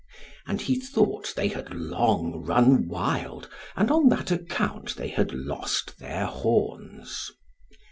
And he thought they had long run wild and on that account they had lost their horns.